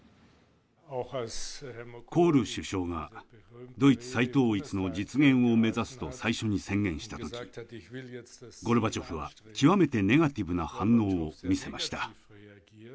コール首相が「ドイツ再統一の実現を目指す」と最初に宣言した時ゴルバチョフは極めてネガティブな反応を見せました。